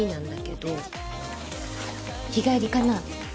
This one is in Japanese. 日帰りかな？